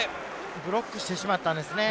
ブロックしてしまったんですね。